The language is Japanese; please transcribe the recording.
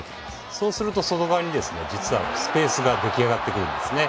そうすると外側に実はスペースが出来上がってくるんですね。